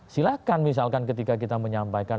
silahkan misalkan ketika kita menyampaikan